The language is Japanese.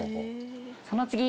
その次。